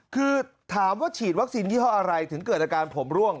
คือถามว่าฉีดวัคซีนยี่ห้ออะไรถึงเกิดอาการผมร่วง